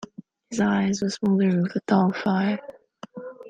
His eyes were smouldering with a dull fire.